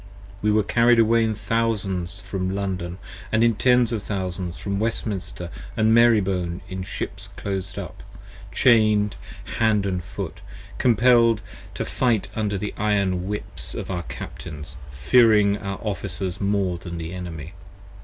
We were carried away in thousands from London, & in tens Of thousands from Westminster & Marybone in ships clos'd up: 35 Chain'd hand & foot, compell'd to fight under the iron whips Of our captains, fearing our officers more than the enemy.